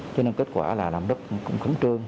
cho nên kết quả là làm đất cũng khẩn trương